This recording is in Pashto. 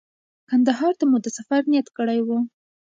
کندهار ته مو د سفر نیت کړی و.